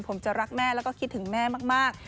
ผมจะรักแม่แล้วก็คิดถึงแม่มาก